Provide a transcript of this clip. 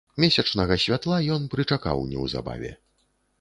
Месячнага святла ён прычакаў неўзабаве.